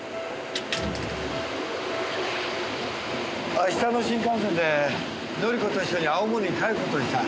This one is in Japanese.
明日の新幹線で紀子と一緒に青森に帰る事にした。